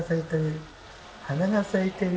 花が咲いてる。